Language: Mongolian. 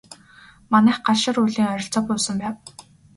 Манайх Галшар уулын ойролцоо буусан байв.